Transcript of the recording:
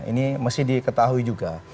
ini mesti diketahui juga